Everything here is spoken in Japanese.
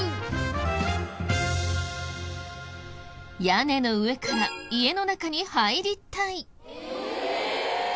屋根の上から家の中に入りたい。